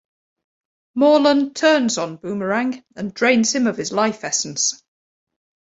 Morlun turns on Boomerang and drains him of his life essence.